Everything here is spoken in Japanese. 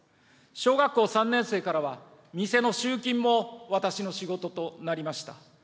小学校３年生からは、店の集金も私の仕事となりました。